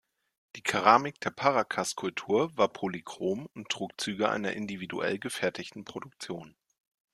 Die Keramik der Paracas-Kultur war polychrom und trug Züge einer individuell gefertigten Produktion.